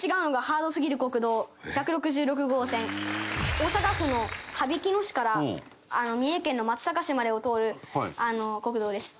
大阪府の羽曳野市から三重県の松阪市までを通る国道です。